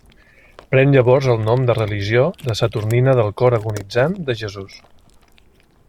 Pren llavors el nom de religió de Saturnina del Cor Agonitzant de Jesús.